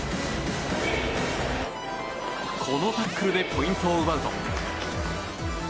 このタックルでポイントを奪うと。